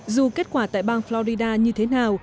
dù kết quả tại bang florida như thế nào